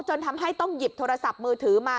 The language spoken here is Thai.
จนทำให้ต้องหยิบโทรศัพท์มือถือมา